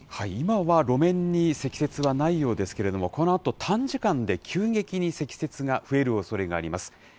今は路面に積雪はないようですけれども、このあと短時間で急激に積雪が増えるおそれがあります。